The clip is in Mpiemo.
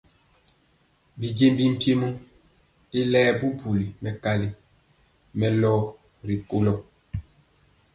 Bijiémbi mpiemɔ y laɛɛ bubuli mɛkali mɛlɔ ri kolo.